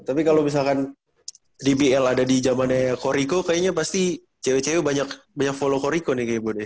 tapi kalo misalkan dbl ada di jaman ya koryko kayaknya pasti cewek cewek banyak follow koryko nih kayaknya bu deh